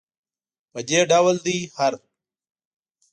په دې ډول دی هر.